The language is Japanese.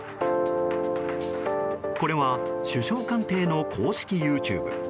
これは首相官邸の公式ＹｏｕＴｕｂｅ。